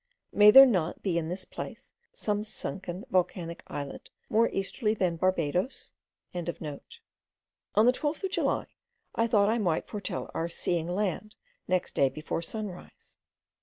May there not be in this place some sunken volcanic islet, more easterly still than Barbadoes?) On the 12th of July, I thought I might foretell our seeing land next day before sunrise.